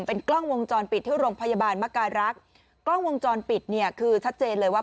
เป็นกล้องวงจรปิดที่โรงพยาบาลมการรักษ์กล้องวงจรปิดเนี่ยคือชัดเจนเลยว่า